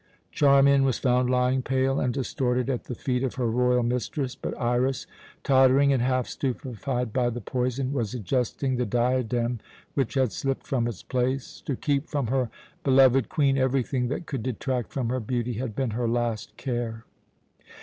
Charmian was found lying pale and distorted at the feet of her royal mistress; but Iras, tottering and half stupefied by the poison, was adjusting the diadem, which had slipped from its place. To keep from her beloved Queen everything that could detract from her beauty had been her last care.